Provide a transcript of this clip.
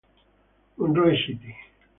Monroe City